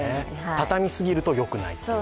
畳みすぎるとよくないという。